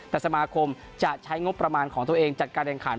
แต่สมาคมจะใช้งบประมาณของตัวเองจัดการแข่งขัน